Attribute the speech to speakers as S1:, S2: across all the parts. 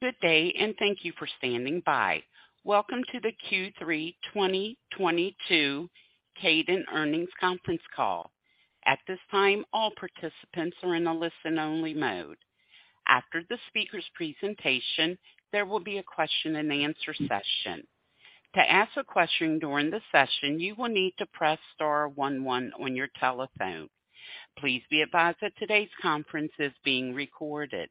S1: Good day, and thank you for standing by. Welcome to the Q3 2022 Kadant Earnings Conference Call. At this time, all participants are in a listen-only mode. After the speaker's presentation, there will be a question-and-answer session. To ask a question during the session, you will need to press star one one on your telephone. Please be advised that today's conference is being recorded.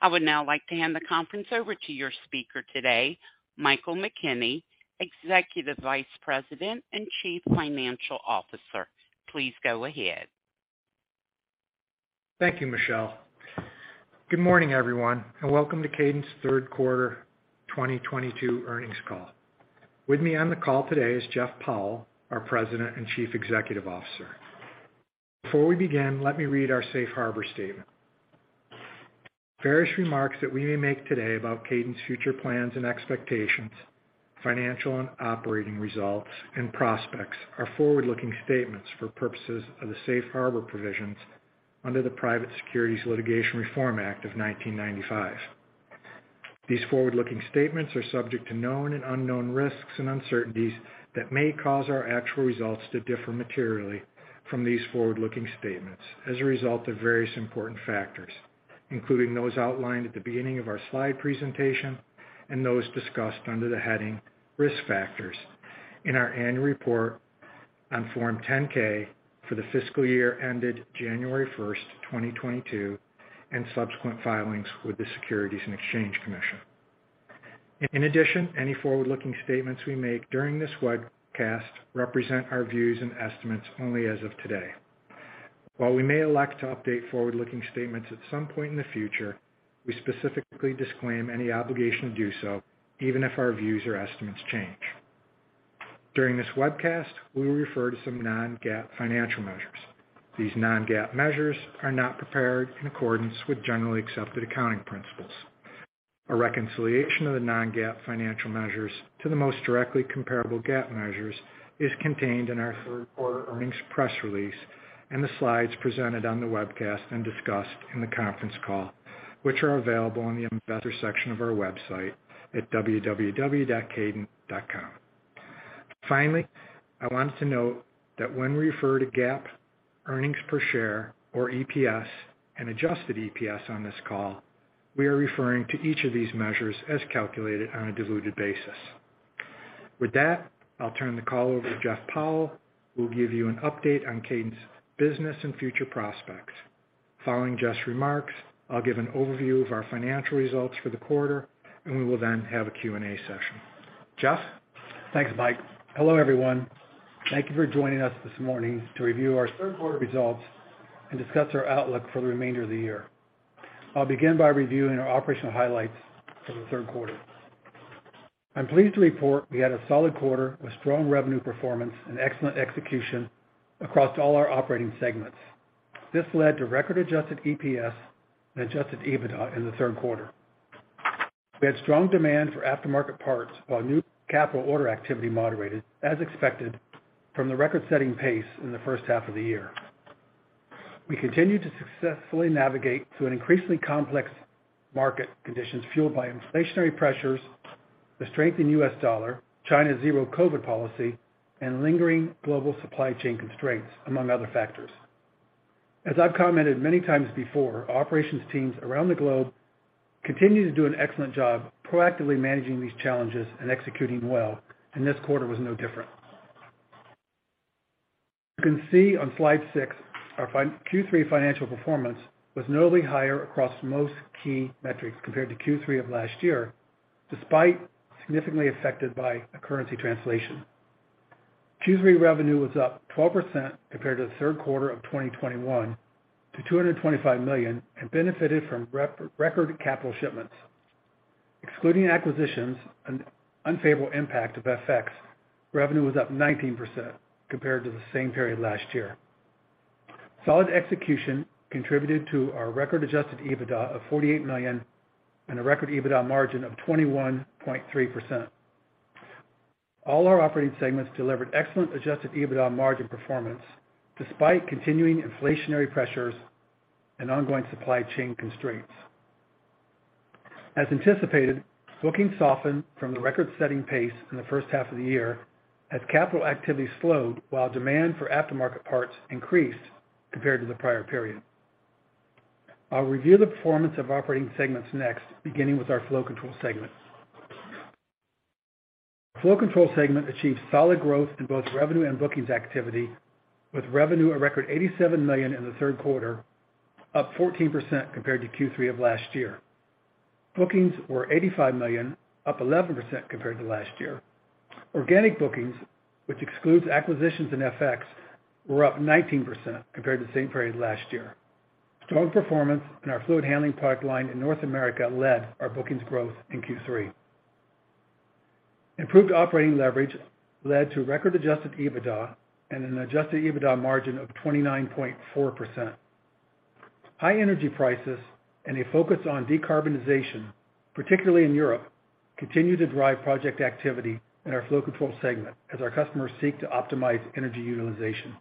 S1: I would now like to hand the conference over to your speaker today, Michael McKenney, Executive Vice President and Chief Financial Officer. Please go ahead.
S2: Thank you, Michelle. Good morning, everyone, and welcome to Kadant's Third Quarter 2022 Earnings Call. With me on the call today is Jeff Powell, our President and Chief Executive Officer. Before we begin, let me read our safe harbor statement. Various remarks that we may make today about Kadant's future plans and expectations, financial and operating results, and prospects are forward-looking statements for purposes of the safe harbor provisions under the Private Securities Litigation Reform Act of 1995. These forward-looking statements are subject to known and unknown risks and uncertainties that may cause our actual results to differ materially from these forward-looking statements as a result of various important factors, including those outlined at the beginning of our slide presentation and those discussed under the heading Risk Factors in our annual report on Form 10-K for the fiscal year ended 1st January, 2022, and subsequent filings with the Securities and Exchange Commission. In addition, any forward-looking statements we make during this webcast represent our views and estimates only as of today. While we may elect to update forward-looking statements at some point in the future, we specifically disclaim any obligation to do so, even if our views or estimates change. During this webcast, we will refer to some non-GAAP financial measures. These non-GAAP measures are not prepared in accordance with generally accepted accounting principles. A reconciliation of the non-GAAP financial measures to the most directly comparable GAAP measures is contained in our third quarter earnings press release and the slides presented on the webcast and discussed in the conference call, which are available on the Investor section of our website at www.kadant.com. Finally, I wanted to note that when we refer to GAAP earnings per share or EPS and adjusted EPS on this call, we are referring to each of these measures as calculated on a diluted basis. With that, I'll turn the call over to Jeff Powell, who will give you an update on Kadant's business and future prospects. Following Jeff's remarks, I'll give an overview of our financial results for the quarter, and we will then have a Q&A session. Jeff?
S3: Thanks, Mike. Hello, everyone. Thank you for joining us this morning to review our third quarter results and discuss our outlook for the remainder of the year. I'll begin by reviewing our operational highlights for the third quarter. I'm pleased to report we had a solid quarter with strong revenue performance and excellent execution across all our operating segments. This led to record adjusted EPS and adjusted EBITDA in the third quarter. We had strong demand for aftermarket parts while new capital order activity moderated as expected from the record-setting pace in the first half of the year. We continued to successfully navigate through an increasingly complex market conditions fueled by inflationary pressures, the strength in U.S. dollar, China's zero-COVID policy, and lingering global supply chain constraints, among other factors. As I've commented many times before, operations teams around the globe continue to do an excellent job proactively managing these challenges and executing well, and this quarter was no different. You can see on slide six our Q3 financial performance was notably higher across most key metrics compared to Q3 of last year, despite significantly affected by a currency translation. Q3 revenue was up 12% compared to the third quarter of 2021 to $225 million and benefited from record capital shipments. Excluding acquisitions and unfavorable impact of FX, revenue was up 19% compared to the same period last year. Solid execution contributed to our record adjusted EBITDA of $48 million and a record EBITDA margin of 21.3%. All our operating segments delivered excellent adjusted EBITDA margin performance despite continuing inflationary pressures and ongoing supply chain constraints. As anticipated, bookings softened from the record-setting pace in the first half of the year as capital activity slowed while demand for aftermarket parts increased compared to the prior period. I'll review the performance of operating segments next, beginning with our Flow Control segment. Flow Control segment achieved solid growth in both revenue and bookings activity, with revenue at record $87 million in the third quarter, up 14% compared to Q3 of last year. Bookings were $85 million, up 11% compared to last year. Organic bookings, which excludes acquisitions and FX, were up 19% compared to the same period last year. Strong performance in our fluid handling pipeline in North America led our bookings growth in Q3. Improved operating leverage led to record adjusted EBITDA and an adjusted EBITDA margin of 29.4%. High energy prices and a focus on decarbonization, particularly in Europe, continue to drive project activity in our Flow Control segment as our customers seek to optimize energy utilization.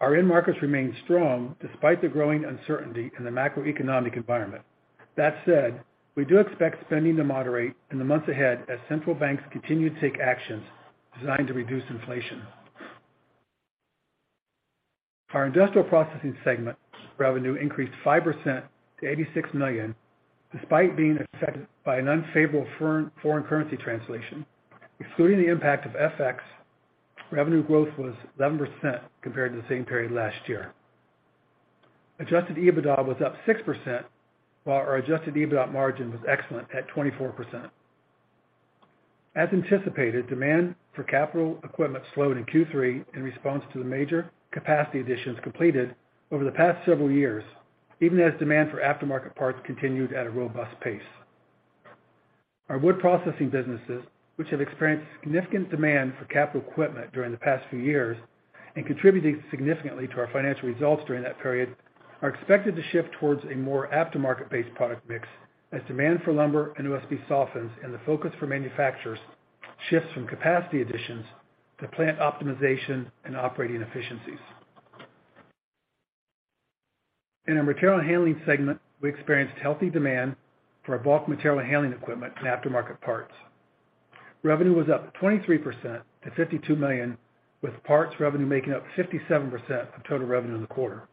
S3: Our end markets remain strong despite the growing uncertainty in the macroeconomic environment. That said, we do expect spending to moderate in the months ahead as central banks continue to take actions designed to reduce inflation. Our Industrial Processing segment revenue increased 5% to $86 million, despite being affected by an unfavorable foreign currency translation. Excluding the impact of FX, revenue growth was 11% compared to the same period last year. Adjusted EBITDA was up 6%, while our adjusted EBITDA margin was excellent at 24%. As anticipated, demand for capital equipment slowed in Q3 in response to the major capacity additions completed over the past several years, even as demand for aftermarket parts continued at a robust pace. Our wood processing businesses, which have experienced significant demand for capital equipment during the past few years and contributing significantly to our financial results during that period, are expected to shift towards a more aftermarket-based product mix as demand for lumber and OSB softens and the focus for manufacturers shifts from capacity additions to plant optimization and operating efficiencies. In our material handling segment, we experienced healthy demand for our bulk material handling equipment and aftermarket parts. Revenue was up 23% to $52 million, with parts revenue making up 57% of total revenue in the quarter.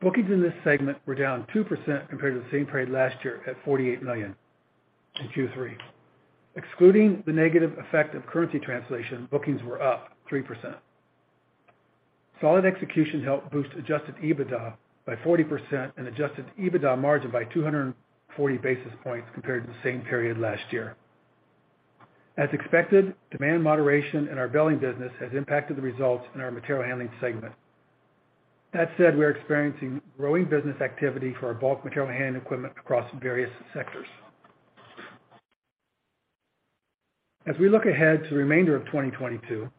S3: Bookings in this segment were down 2% compared to the same period last year at $48 million in Q3. Excluding the negative effect of currency translation, bookings were up 3%. Solid execution helped boost adjusted EBITDA by 40% and adjusted EBITDA margin by 240 basis points compared to the same period last year. As expected, demand moderation in our baling business has impacted the results in our material handling segment. That said, we are experiencing growing business activity for our bulk material handling equipment across various sectors. As we look ahead to the remainder of 2022,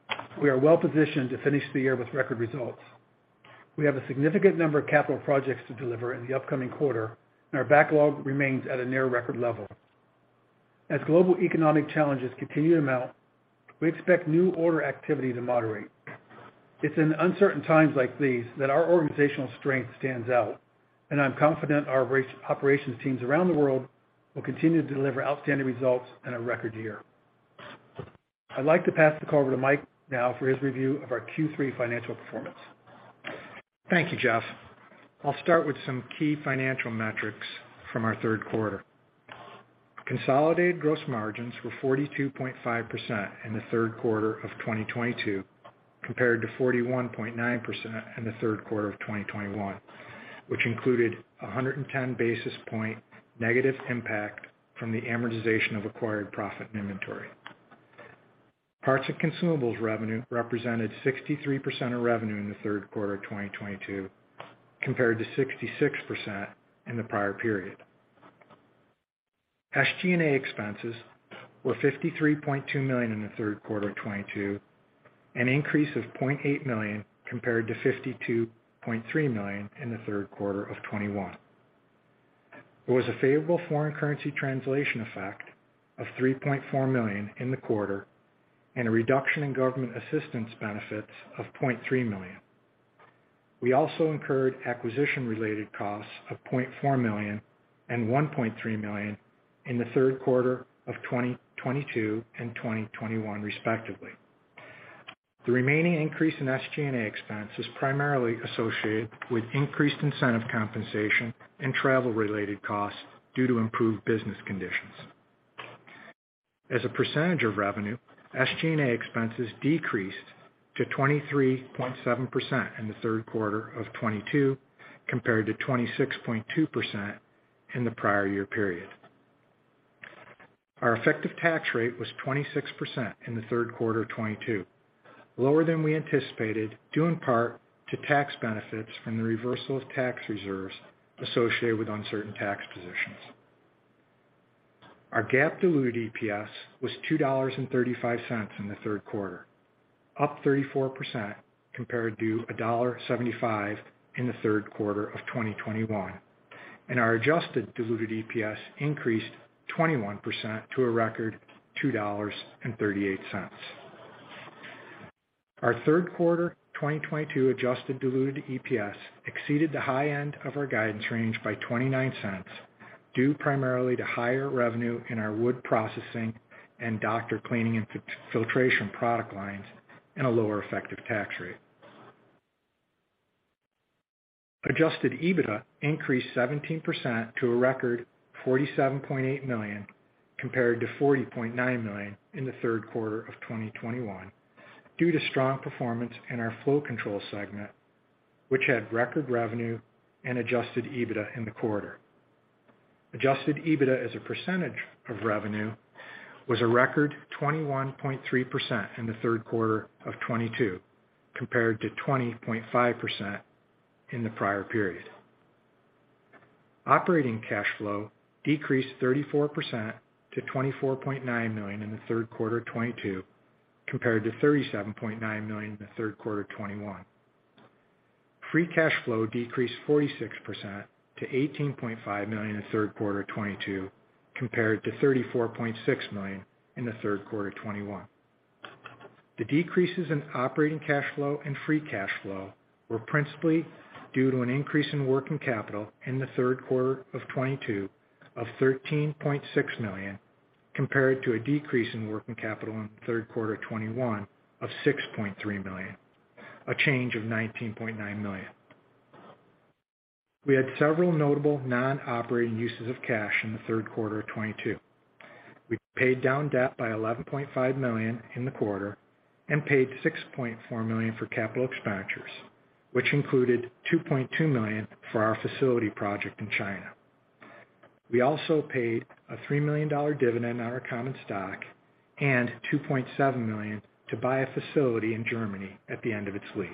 S3: we are well positioned to finish the year with record results. We have a significant number of capital projects to deliver in the upcoming quarter, and our backlog remains at a near record level. As global economic challenges continue to mount, we expect new order activity to moderate. It's in uncertain times like these that our organizational strength stands out, and I'm confident our operations teams around the world will continue to deliver outstanding results in a record year. I'd like to pass the call over to Mike now for his review of our Q3 financial performance.
S2: Thank you, Jeff. I'll start with some key financial metrics from our third quarter. Consolidated gross margins were 42.5% in the third quarter of 2022, compared to 41.9% in the third quarter of 2021, which included 110 basis point negative impact from the amortization of acquired profit and inventory. Parts and consumables revenue represented 63% of revenue in the third quarter of 2022, compared to 66% in the prior period. SG&A expenses were $53.2 million in the third quarter of 2022, an increase of $0.8 million compared to $52.3 million in the third quarter of 2021. There was a favorable foreign currency translation effect of $3.4 million in the quarter and a reduction in government assistance benefits of $0.3 million. We also incurred acquisition-related costs of $0.4 million and $1.3 million in the third quarter of 2022 and 2021 respectively. The remaining increase in SG&A expense is primarily associated with increased incentive compensation and travel-related costs due to improved business conditions. As a percentage of revenue, SG&A expenses decreased to 23.7% in the third quarter of 2022, compared to 26.2% in the prior year period. Our effective tax rate was 26% in the third quarter of 2022, lower than we anticipated, due in part to tax benefits from the reversal of tax reserves associated with uncertain tax positions. Our GAAP diluted EPS was $2.35 in the third quarter, up 34% compared to $1.75 in the third quarter of 2021, and our adjusted diluted EPS increased 21% to a record $2.38. Our third quarter 2022 adjusted diluted EPS exceeded the high end of our guidance range by $0.29, due primarily to higher revenue in our wood processing and Doctoring, Cleaning & Filtration product lines and a lower effective tax rate. Adjusted EBITDA increased 17% to a record $47.8 million, compared to $40.9 million in the third quarter of 2021, due to strong performance in our Flow Control segment, which had record revenue and adjusted EBITDA in the quarter. Adjusted EBITDA as a percentage of revenue was a record 21.3% in the third quarter of 2022, compared to 20.5% in the prior period. Operating cash flow decreased 34% to $24.9 million in the third quarter of 2022, compared to $37.9 million in the third quarter of 2021. Free cash flow decreased 46% to $18.5 million in the third quarter of 2022 compared to $34.6 million in the third quarter of 2021. The decreases in operating cash flow and free cash flow were principally due to an increase in working capital in the third quarter of 2022 of $13.6 million, compared to a decrease in working capital in the third quarter of 2021 of $6.3 million. A change of $19.9 million. We had several notable non-operating uses of cash in the third quarter of 2022. We paid down debt by $11.5 million in the quarter and paid $6.4 million for capital expenditures, which included $2.2 million for our facility project in China. We also paid a $3 million dividend on our common stock and $2.7 million to buy a facility in Germany at the end of its lease.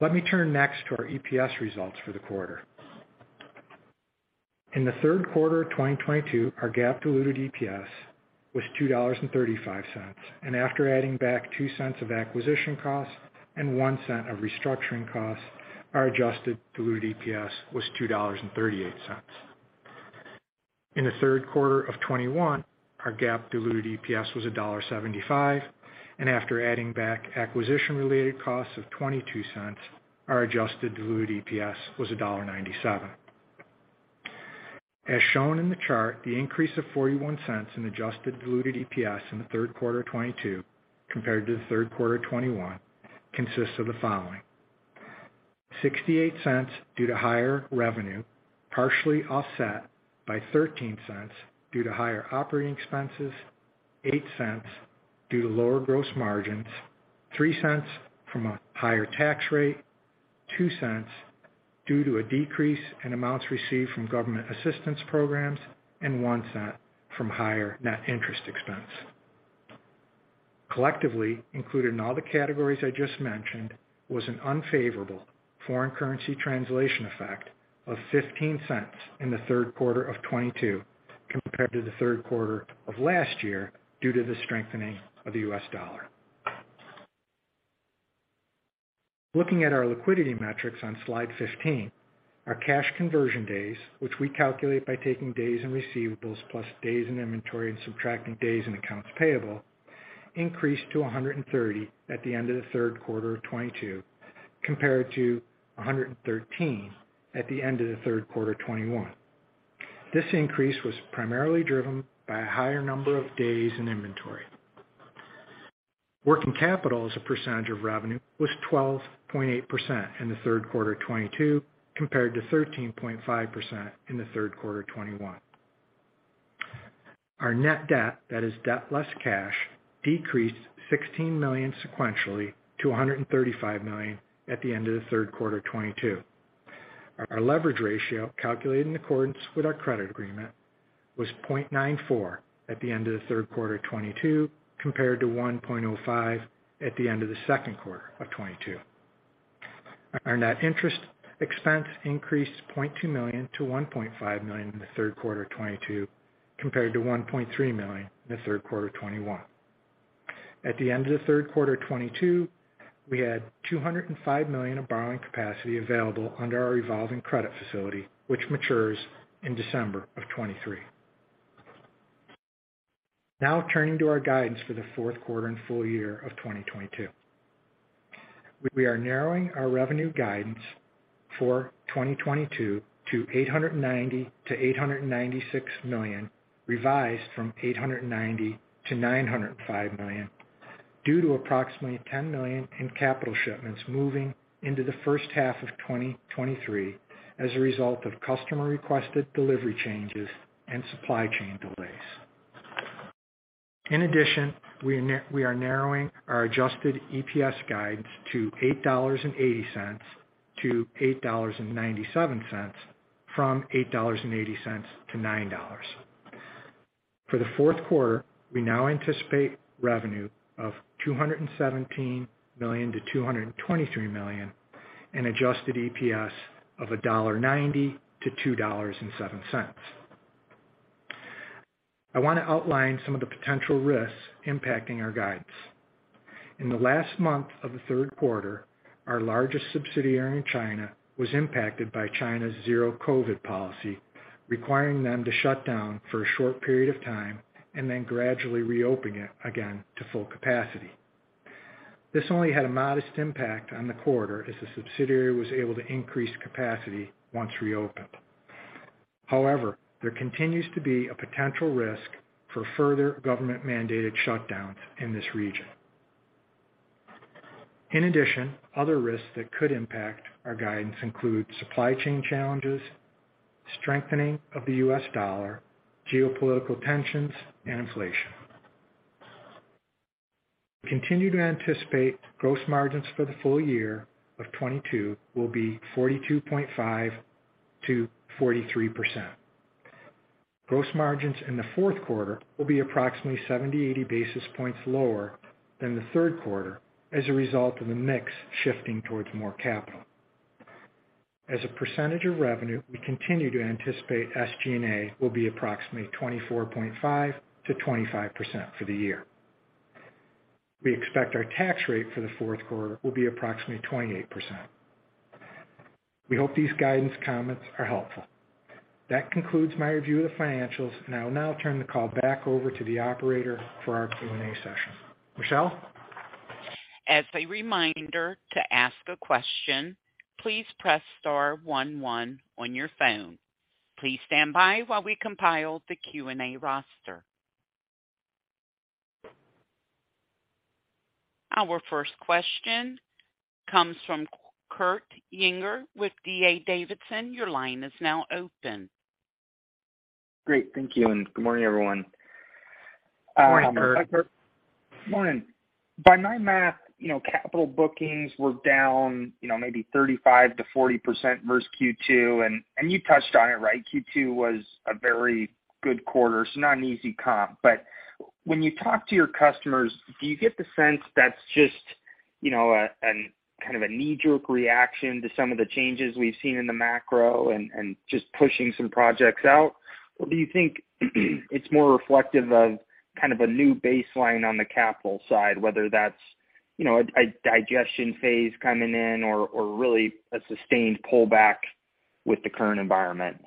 S2: Let me turn next to our EPS results for the quarter. In the third quarter of 2022, our GAAP diluted EPS was $2.35, and after adding back $0.02 of acquisition costs and $0.01 of restructuring costs, our adjusted diluted EPS was $2.38. In the third quarter of 2021, our GAAP diluted EPS was $1.75, and after adding back acquisition-related costs of $0.22, our adjusted diluted EPS was $1.97. As shown in the chart, the increase of $0.41, in adjusted diluted EPS in the third quarter of 2022 compared to the third quarter of 2021 consists of the following. $0.68, Due to higher revenue, partially offset by $0.13 due to higher operating expenses, $0.8 due to lower gross margins, $0.3 from a higher tax rate, $0.2 due to a decrease in amounts received from government assistance programs, and $0.1 from higher net interest expense. Collectively, included in all the categories I just mentioned, was an unfavorable foreign currency translation effect of $0.15 in the third quarter of 2022 compared to the third quarter of last year due to the strengthening of the US dollar. Looking at our liquidity metrics on slide 15. Our cash conversion days, which we calculate by taking days in receivables plus days in inventory and subtracting days in accounts payable, increased to 130 at the end of the third quarter of 2022 compared to 113 at the end of the third quarter of 2021. This increase was primarily driven by a higher number of days in inventory. Working capital as a percentage of revenue was 12.8% in the third quarter of 2022 compared to 13.5% in the third quarter of 2021. Our net debt, that is debt less cash, decreased $16 million sequentially to $135 million at the end of the third quarter of 2022. Our leverage ratio, calculated in accordance with our credit agreement, was 0.94 at the end of the third quarter of 2022 compared to 1.05 at the end of the second quarter of 2022. Our net interest expense increased $0.2 million to $1.5 million in the third quarter of 2022 compared to $1.3 million in the third quarter of 2021. At the end of the third quarter of 2022, we had $205 million of borrowing capacity available under our revolving credit facility, which matures in December of 2023. Now turning to our guidance for the fourth quarter and full year of 2022. We are narrowing our revenue guidance for 2022 to $890 million-$896 million, revised from $890 million-$905 million due to approximately $10 million in capital shipments moving into the first half of 2023 as a result of customer-requested delivery changes and supply chain delays. In addition, we are narrowing our adjusted EPS guidance to $8.80-$8.97 from $8.80-$9. For the fourth quarter, we now anticipate revenue of $217 million-$223 million and adjusted EPS of $1.90-$2.07. I wanna outline some of the potential risks impacting our guidance. In the last month of the third quarter, our largest subsidiary in China was impacted by China's zero-COVID policy, requiring them to shut down for a short period of time and then gradually reopen it again to full capacity. This only had a modest impact on the quarter as the subsidiary was able to increase capacity once reopened. However, there continues to be a potential risk for further government-mandated shutdowns in this region. In addition, other risks that could impact our guidance include supply chain challenges, strengthening of the U.S. dollar, geopolitical tensions, and inflation. We continue to anticipate gross margins for the full year of 2022 will be 42.5%-43%. Gross margins in the fourth quarter will be approximately 70 basis points-80 basis points lower than the third quarter as a result of the mix shifting towards more capital. As a percentage of revenue, we continue to anticipate SG&A will be approximately 24.5%-25% for the year. We expect our tax rate for the fourth quarter will be approximately 28%. We hope these guidance comments are helpful. That concludes my review of the financials, and I will now turn the call back over to the operator for our Q&A session. Michelle?
S1: As a reminder, to ask a question, please press star one one on your phone. Please stand by while we compile the Q&A roster. Our first question comes from Kurt Yinger with D.A. Davidson & Co. Your line is now open.
S4: Great. Thank you, and good morning, everyone.
S3: Morning, Kurt.
S4: Morning. By my math, you know, capital bookings were down, you know, maybe 35%-40% versus Q2. You touched on it, right? Q2 was a very good quarter, so not an easy comp. When you talk to your customers, do you get the sense that's just, you know, a kind of a knee-jerk reaction to some of the changes we've seen in the macro and just pushing some projects out? Do you think it's more reflective of kind of a new baseline on the capital side, whether that's, you know, a digestion phase coming in or really a sustained pullback with the current environment?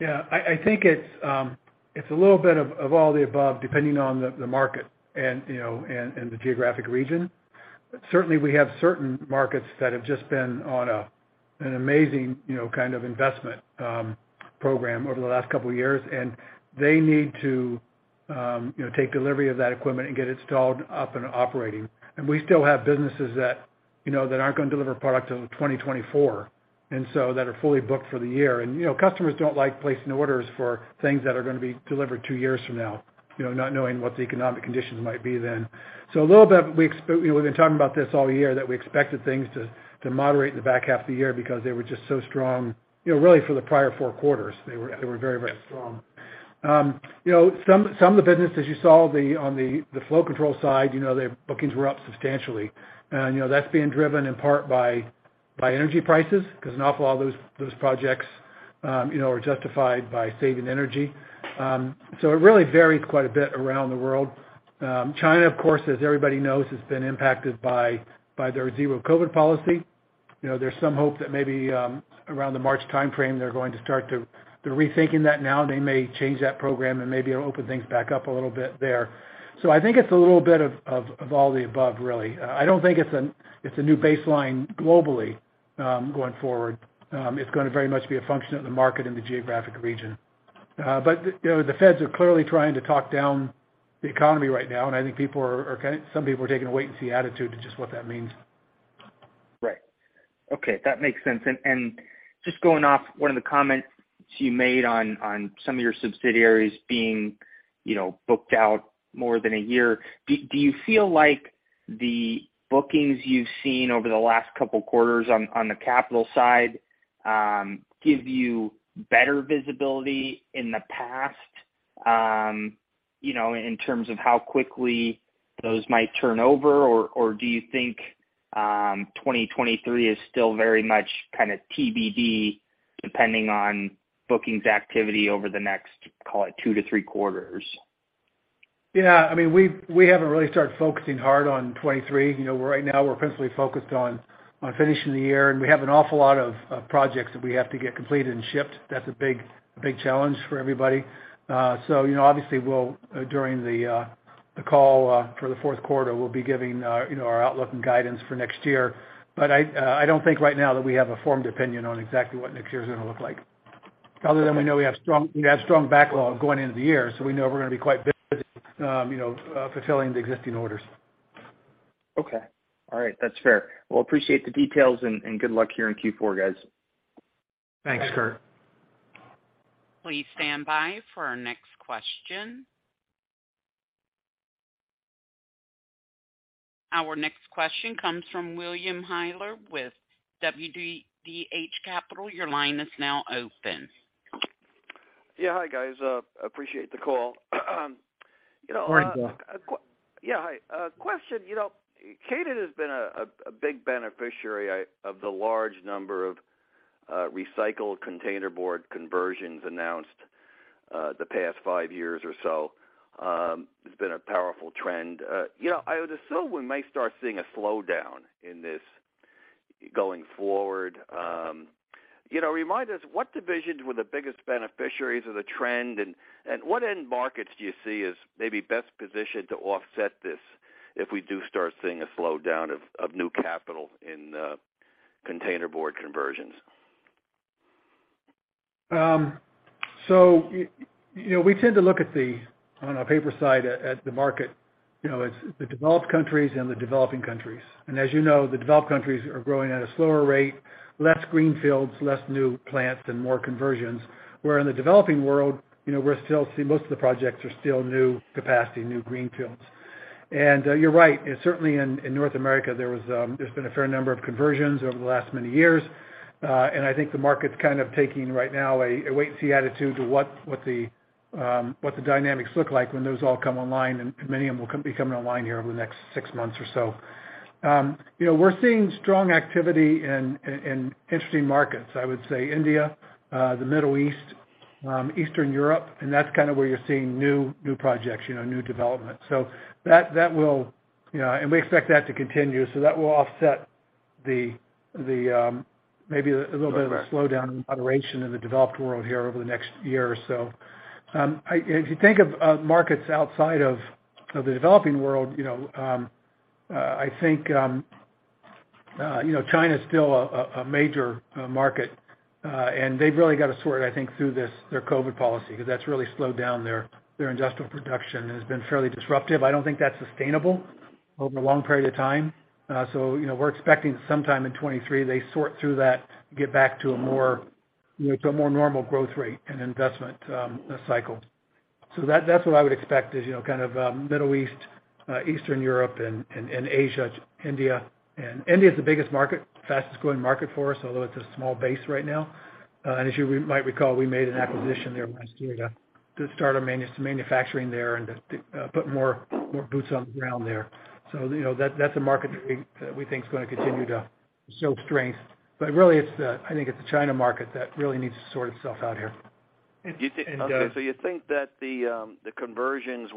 S3: Yeah, I think it's a little bit of all the above, depending on the market and you know the geographic region. Certainly, we have certain markets that have just been on an amazing you know kind of investment program over the last couple of years, and they need to you know take delivery of that equipment and get it installed, up and operating. We still have businesses that you know aren't gonna deliver product till 2024, and so that are fully booked for the year. Customers don't like placing orders for things that are gonna be delivered two years from now, you know, not knowing what the economic conditions might be then. A little bit, we've been talking about this all year, that we expected things to moderate in the back half of the year because they were just so strong, you know, really for the prior four quarters, they were very strong. You know, some of the businesses you saw on the Flow Control side, you know, their bookings were up substantially. You know, that's being driven in part by energy prices, 'cause an awful lot of those projects are justified by saving energy. It really varies quite a bit around the world. China, of course, as everybody knows, has been impacted by their zero-COVID policy. You know, there's some hope that maybe around the March timeframe, they're going to start to. They're rethinking that now. They may change that program and maybe open things back up a little bit there. I think it's a little bit of all the above, really. I don't think it's a new baseline globally, going forward. It's gonna very much be a function of the market and the geographic region. You know, the Feds are clearly trying to talk down the economy right now, and I think people are kind of some people are taking a wait and see attitude to just what that means.
S4: Right. Okay, that makes sense. Just going off one of the comments you made on some of your subsidiaries being, you know, booked out more than a year, do you feel like the bookings you've seen over the last couple quarters on the capital side give you better visibility in the past, you know, in terms of how quickly those might turn over? Do you think 2023 is still very much kinda TBD, depending on bookings activity over the next, call it, two to three quarters?
S3: Yeah, I mean, we haven't really started focusing hard on 2023. You know, right now we're principally focused on finishing the year, and we have an awful lot of projects that we have to get completed and shipped. That's a big challenge for everybody. You know, obviously, during the call for the fourth quarter, we'll be giving you know our outlook and guidance for next year. I don't think right now that we have a formed opinion on exactly what next year is gonna look like. Other than we know we have strong backlog going into the year, so we know we're gonna be quite busy you know fulfilling the existing orders.
S4: Okay. All right. That's fair. Well, appreciate the details and good luck here in Q4, guys.
S3: Thanks, Kurt.
S1: Please stand by for our next question. Our next question comes from William Hyler with WDH Capital. Your line is now open.
S5: Yeah. Hi, guys. Appreciate the call. You know,
S3: Morning, Bill.
S5: Yeah. Hi. Question, you know, Kadant has been a big beneficiary of the large number of recycled container board conversions announced the past five years or so. It's been a powerful trend. You know, I would assume we might start seeing a slowdown in this going forward. You know, remind us what divisions were the biggest beneficiaries of the trend, and what end markets do you see as maybe best positioned to offset this if we do start seeing a slowdown of new capital in container board conversions?
S3: You know, we tend to look at the, on our paper side, at the market, you know, as the developed countries and the developing countries. As you know, the developed countries are growing at a slower rate, less greenfields, less new plants and more conversions, where in the developing world, you know, we're still seeing most of the projects are still new capacity, new greenfields. You're right. Certainly in North America, there's been a fair number of conversions over the last many years. I think the market's kind of taking right now a wait and see attitude to what the dynamics look like when those all come online, and many of them will be coming online here over the next six months or so. You know, we're seeing strong activity in interesting markets. I would say India, the Middle East, Eastern Europe, and that's kind of where you're seeing new projects, you know, new development. We expect that to continue, so that will offset the maybe a little bit of a slowdown in moderation in the developed world here over the next year or so. If you think of markets outside of the developing world, you know, I think, you know, China is still a major market. They've really got to sort, I think, through this, their COVID policy, because that's really slowed down their industrial production and has been fairly disruptive. I don't think that's sustainable over a long period of time. you know, we're expecting sometime in 2023, they sort through that, get back to a more normal growth rate and investment cycle. That's what I would expect is, you know, kind of, Middle East, Eastern Europe and Asia, India. India is the biggest market, fastest-growing market for us, although it's a small base right now. As you might recall, we made an acquisition there last year to put more boots on the ground there. You know, that's a market that we think is gonna continue to show strength. Really, I think, it's the China market that really needs to sort itself out here.
S5: You think-
S3: And, uh-
S5: You think that the conversions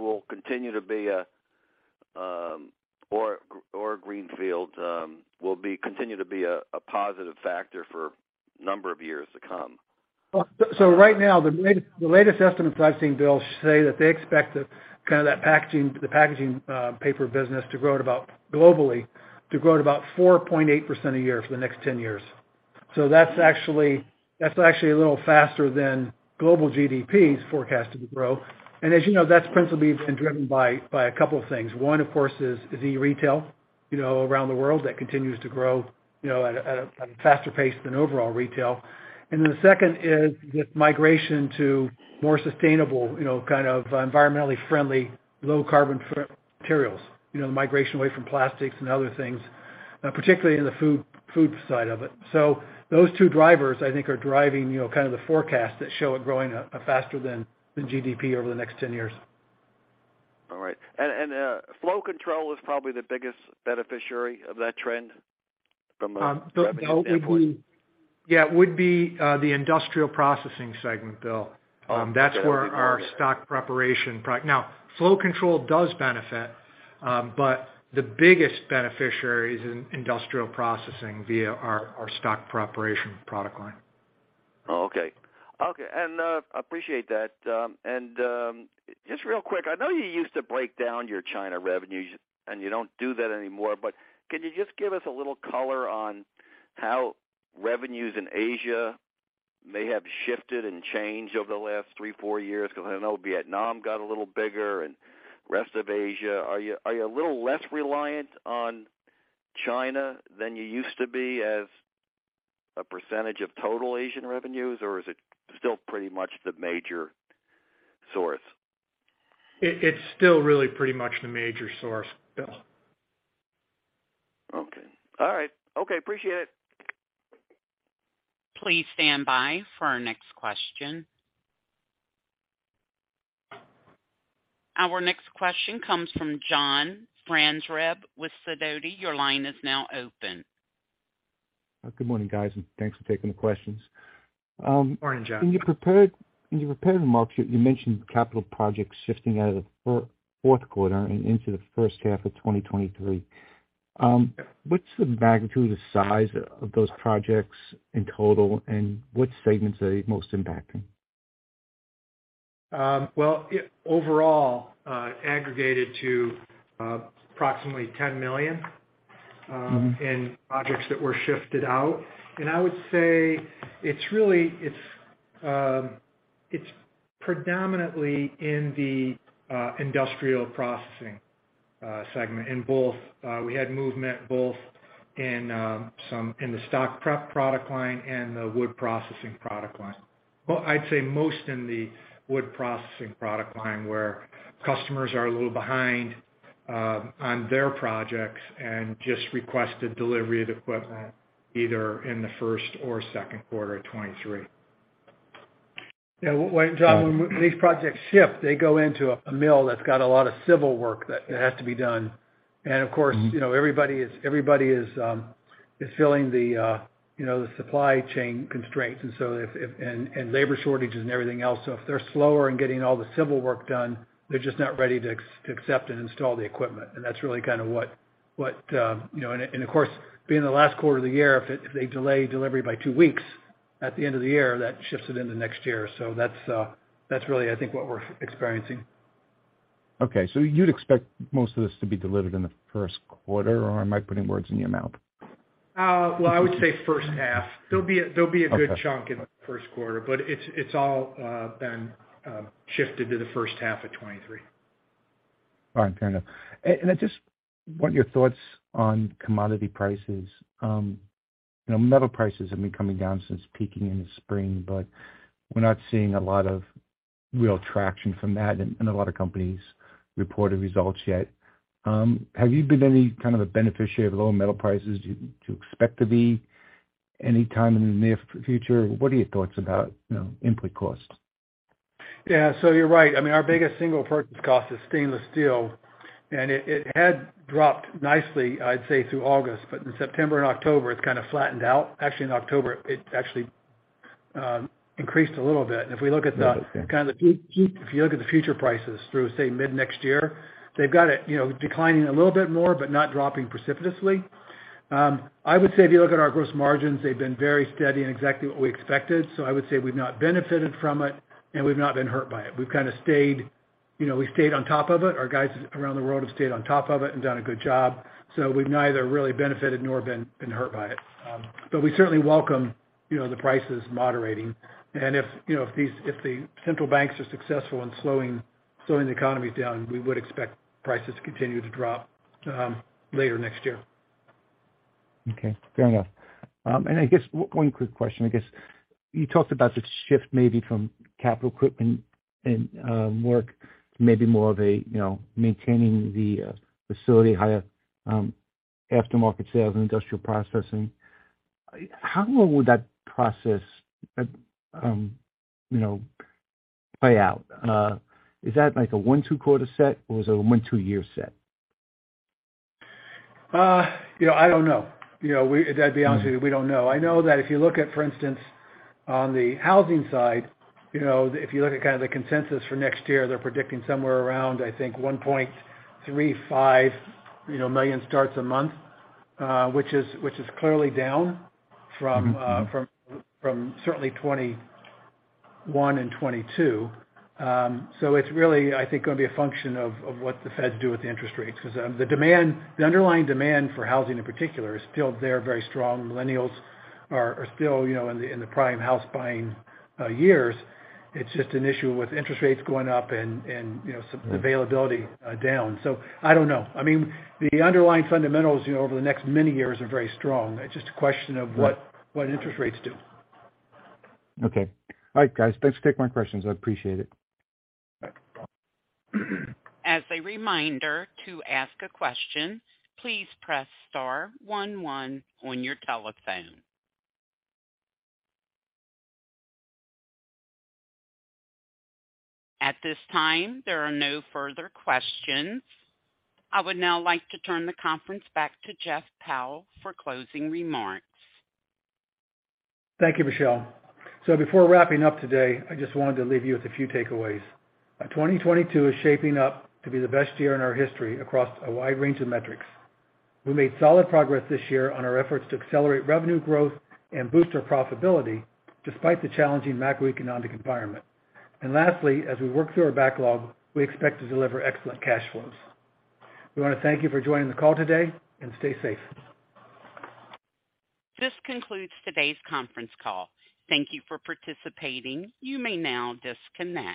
S5: or greenfield will continue to be a positive factor for a number of years to come?
S3: Well, right now, the latest estimates I've seen, Bill, say that they expect the packaging paper business to grow at about 4.8% a year for the next 10 years. That's actually a little faster than global GDP's forecasted to grow. As you know, that's principally been driven by a couple of things. One, of course, is e-retail, you know, around the world that continues to grow, you know, at a faster pace than overall retail. Then the second is this migration to more sustainable, you know, kind of environmentally friendly, low carbon footprint materials. You know, the migration away from plastics and other things, particularly in the food side of it. Those two drivers, I think, are driving, you know, kind of the forecast that show it growing faster than GDP over the next 10 years.
S5: All right. Flow Control is probably the biggest beneficiary of that trend from a revenue standpoint?
S3: No. It would be the Industrial Processing segment, Bill.
S5: Oh, okay.
S3: That's where our stock preparation. Now, Flow Control does benefit, but the biggest beneficiary is in Industrial Processing via our stock preparation product line.
S5: I appreciate that. Just real quick, I know you used to break down your China revenues, and you don't do that anymore, but can you just give us a little color on how revenues in Asia may have shifted and changed over the last three, four years? Because I know Vietnam got a little bigger and rest of Asia. Are you a little less reliant on China than you used to be as a percentage of total Asian revenues, or is it still pretty much the major source?
S3: It's still really pretty much the major source, Bill.
S5: Okay. All right. Okay. Appreciate it.
S1: Please stand by for our next question. Our next question comes from John Franzreb with Sidoti. Your line is now open.
S6: Good morning, guys, and thanks for taking the questions.
S3: Morning, John.
S6: In your prepared remarks, you mentioned capital projects shifting out of the fourth quarter and into the first half of 2023. What's the magnitude of the size of those projects in total, and which segments are they most impacting?
S2: Well, overall, aggregated to approximately $10 million.
S6: Mm-hmm.
S2: In projects that were shifted out. I would say it's really predominantly in the Industrial Processing segment in both. We had movement both in some in the stock prep product line and the Wood Processing product line. Well, I'd say most in the Wood Processing product line, where customers are a little behind on their projects and just requested delivery of equipment either in the first or second quarter of 2023.
S3: Yeah. When, John, these projects shift, they go into a mill that's got a lot of civil work that has to be done. Of course.
S6: Mm-hmm.
S3: You know, everybody is feeling the supply chain constraints and labor shortages and everything else. If they're slower in getting all the civil work done, they're just not ready to accept and install the equipment. That's really kind of what you know. Of course, being the last quarter of the year, if they delay delivery by two weeks at the end of the year, that shifts it into next year. That's really, I think, what we're experiencing.
S6: Okay. You'd expect most of this to be delivered in the first quarter, or am I putting words in your mouth?
S3: Well, I would say first half. There'll be a-
S6: Okay.
S3: There'll be a good chunk in the first quarter, but it's all been shifted to the first half of 2023.
S6: All right. Fair enough. I just want your thoughts on commodity prices. You know, metal prices have been coming down since peaking in the spring, but we're not seeing a lot of real traction from that in a lot of companies' reported results yet. Have you been any kind of a beneficiary of lower metal prices? Do you expect to be any time in the near future? What are your thoughts about, you know, input costs?
S3: Yeah. You're right. I mean, our biggest single purchase cost is stainless steel, and it had dropped nicely, I'd say through August. In September and October, it's kinda flattened out. Actually, in October, it actually increased a little bit. If we look at the.
S6: Okay.
S3: If you look at the future prices through, say, mid-next year, they've got it, you know, declining a little bit more but not dropping precipitously. I would say if you look at our gross margins, they've been very steady and exactly what we expected. I would say we've not benefited from it, and we've not been hurt by it. We've kinda stayed, you know, we stayed on top of it. Our guys around the world have stayed on top of it and done a good job. We've neither really benefited nor been hurt by it. We certainly welcome, you know, the prices moderating. If these central banks are successful in slowing the economies down, we would expect prices to continue to drop later next year.
S6: Okay. Fair enough. I guess one quick question. I guess you talked about the shift maybe from capital equipment and work to maybe more of a, you know, maintaining the facility, higher aftermarket sales and industrial processing. How long would that process, you know, play out? Is that like a one to two quarter set or is it a one to two year set?
S3: You know, I don't know. You know, to be honest with you, we don't know. I know that if you look at, for instance, on the housing side, you know, if you look at kinda the consensus for next year, they're predicting somewhere around, I think, 1.35 million starts a month, which is clearly down from-
S6: Mm-hmm.
S3: From certainly 2021 and 2022. It's really, I think, gonna be a function of what the Feds do with the interest rates. 'Cause the demand, the underlying demand for housing in particular is still there very strong. Millennials are still, you know, in the prime house buying years. It's just an issue with interest rates going up and, you know, some availability down. I don't know. I mean, the underlying fundamentals, you know, over the next many years are very strong. It's just a question of what interest rates do.
S6: Okay. All right, guys, thanks for taking my questions. I appreciate it.
S3: Bye.
S1: As a reminder, to ask a question, please press star one one on your telephone. At this time, there are no further questions. I would now like to turn the conference back to Jeff Powell for closing remarks.
S3: Thank you, Michelle. Before wrapping up today, I just wanted to leave you with a few takeaways. 2022 is shaping up to be the best year in our history across a wide range of metrics. We made solid progress this year on our efforts to accelerate revenue growth and boost our profitability despite the challenging macroeconomic environment. Lastly, as we work through our backlog, we expect to deliver excellent cash flows. We wanna thank you for joining the call today and stay safe.
S1: This concludes today's conference call. Thank you for participating. You may now disconnect.